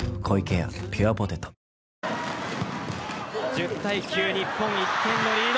１０対９日本、１点のリード。